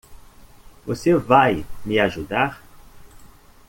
Você vai me ajudar?